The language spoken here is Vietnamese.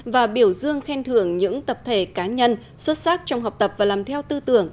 và biểu dương khen thưởng những tập thể cá nhân xuất sắc trong học tập và làm theo tư tưởng